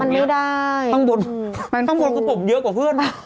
มันไม่ได้อืมข้างบนคุณผมเยอะกว่าเพื่อน